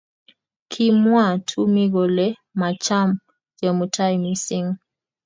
kimwa tumi kole macham jemutai missing